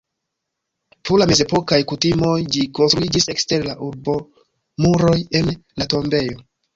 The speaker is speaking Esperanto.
Pro la mezepokaj kutimoj ĝi konstruiĝis ekster la urbomuroj en la tombejo.